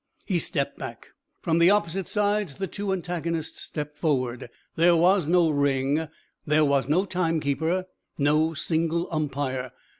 He stepped back. From the opposite sides the two antagonists stepped forward. There was no ring, there was no timekeeper, no single umpire.